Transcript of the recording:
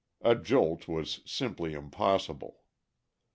A jolt was simply impossible.